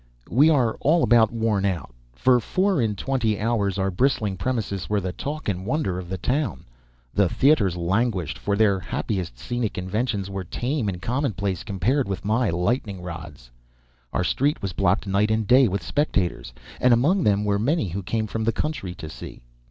We are all about worn out. For four and twenty hours our bristling premises were the talk and wonder of the town. The theaters languished, for their happiest scenic inventions were tame and commonplace compared with my lightning rods. Our street was blocked night and day with spectators, and among them were many who came from the country to see.